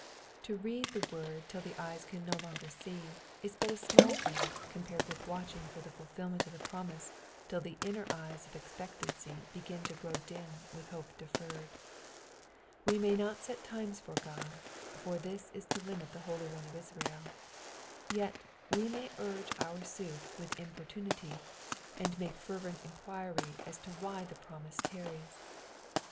To read the word till the eyes can no longer see is but a small thing compared with watching for the fulfilment of the promise till the inner eyes of expectancy begin to grow dim with hope deferred. We may not set times to God, for this is to limit the Holy One of Israel ; yet we may urge our suit with importunity, Digitized by VjOOQIC 202 EXPOSITIONS OF THE PSALMS. and make fervent enquiry as to why the promise tarries.